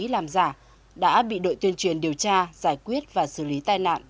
các giấy phép lái xe làm giả đã bị đội tuyên truyền điều tra giải quyết và xử lý tai nạn